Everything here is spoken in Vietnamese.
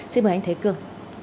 xin mời anh thế cương